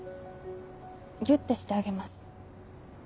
ギュってしてあげます。